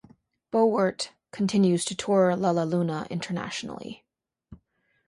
Bowart continues to tour "LaLaLuna" internationally.